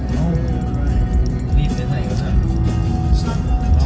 อาทิตย์ทดสัญลักษณ์